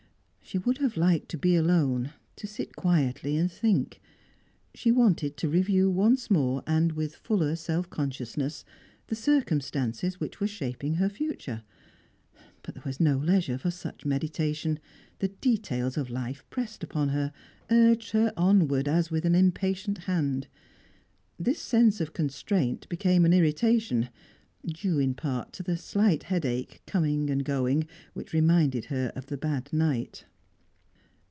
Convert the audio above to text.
She would have liked to be alone, to sit quietly and think. She wanted to review once more, and with fuller self consciousness, the circumstances which were shaping her future. But there was no leisure for such meditation; the details of life pressed upon her, urged her onward, as with an impatient hand. This sense of constraint became an irritation due in part to the slight headache, coming and going, which reminded her of her bad night.